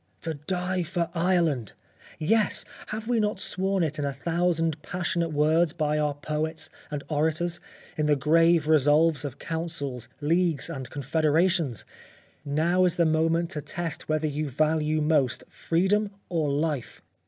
To die for Ireland ! Yes ; have we not sworn it in a thousand passionate words by our poets and orators — in the grave resolves of councils, leagues and confederations. Now is the moment to test whether you value most freedom or life.